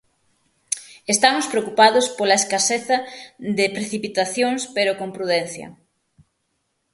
Estamos preocupados pola escaseza de precipitacións pero con prudencia.